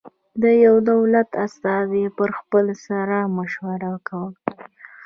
د یوه دولت استازی پر خپل سر مشوره ورکوي.